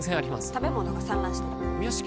食べ物が散乱してるゴミ屋敷